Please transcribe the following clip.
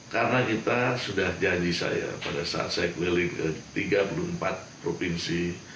karena kita sudah janji saya pada saat saya keliling ke tiga puluh empat provinsi